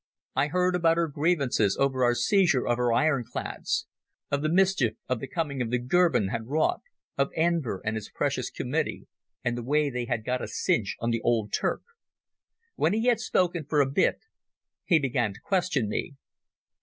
I heard about her grievances over our seizure of her ironclads, of the mischief the coming of the Goeben had wrought, of Enver and his precious Committee and the way they had got a cinch on the old Turk. When he had spoken for a bit, he began to question me.